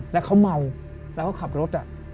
แล้วเขาเมาแล้วเขาขับรถ